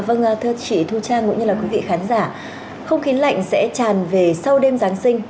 vâng thưa chị thu trang cũng như là quý vị khán giả không khí lạnh sẽ tràn về sau đêm giáng sinh